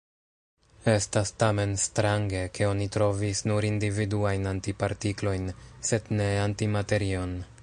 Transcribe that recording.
Estas tamen strange, ke oni trovis nur individuajn antipartiklojn, sed ne antimaterion.